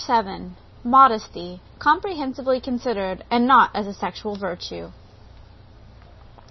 MODESTY COMPREHENSIVELY CONSIDERED AND NOT AS A SEXUAL VIRTUE.